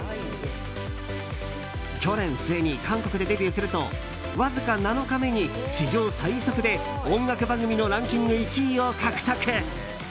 去年末に韓国でデビューするとわずか７日目に史上最速で音楽番組のランキング１位を獲得。